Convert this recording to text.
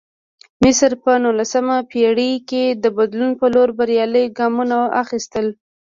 مصر په نولسمه پېړۍ کې د بدلون په لور بریالي ګامونه اخیستل.